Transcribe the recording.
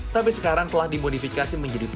tapi sekarang telah dimodifikasi menjadi